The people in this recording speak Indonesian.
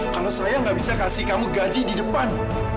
kalau saya nggak bisa kasih kamu gaji di depan